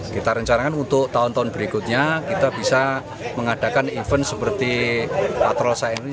kita rencanakan untuk tahun tahun berikutnya kita bisa mengadakan event seperti patrol saya ini